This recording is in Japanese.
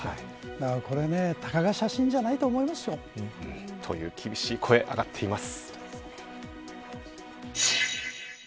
だからこれね、たかが写真じゃないと思いますよ。という厳しい声上がっています。